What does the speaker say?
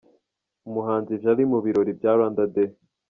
Umuhanzi Jali mu birori bya Rwanda Day.